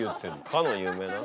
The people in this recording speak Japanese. かの有名な。